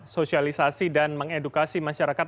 sosialisasi dan mengedukasi masyarakat